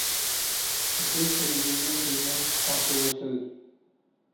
This revision remains controversial.